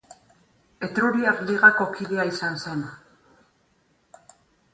Etruriar Ligako kidea izan zen.